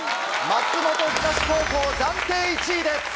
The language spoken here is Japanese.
松本深志高校暫定１位です。